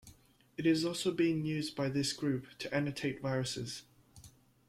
It is also being used by this group to annotate viruses.